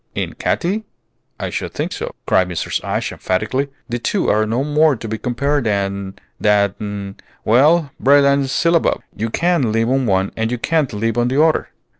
"In Katy? I should think so," cried Mrs. Ashe, emphatically; "the two are no more to be compared than than well, bread and syllabub! You can live on one, and you can't live on the other."